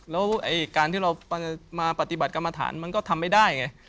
แล้วการที่เรามาปฏิบัติกรรมฐานมันก็ทำไม่ได้ไง